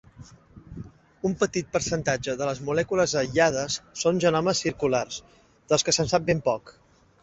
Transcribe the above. Un petit percentatge de les molècules aïllades són genomes circulars, dels que se'n sap ben poc.